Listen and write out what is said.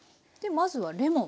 まずはレモン。